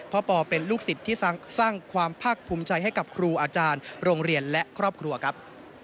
ปอเป็นลูกศิษย์ที่สร้างความภาคภูมิใจให้กับครูอาจารย์โรงเรียนและครอบครัวครับ